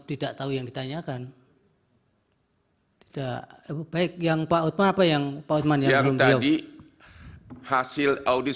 tidak tahu yang ditanyakan tidak baik yang pak otman apa yang pak otman yang belum tahu hasil audit